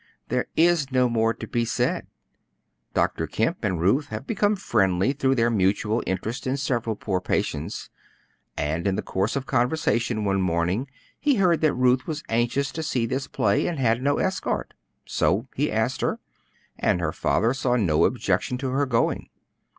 "There is no more to be said. Dr. Kemp and Ruth have become friendly through their mutual interest in several poor patients; and in the course of conversation one morning he heard that Ruth was anxious to see this play, and had no escort. So he asked her, and her father saw no objection to her going.